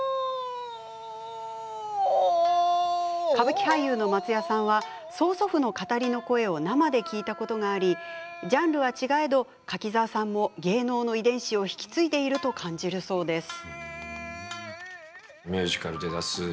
歌舞伎俳優の松也さんは曽祖父の語りの声を生で聴いたことがありジャンルは違えど柿澤さんも芸能の遺伝子を引き継いでいると感じるそうです。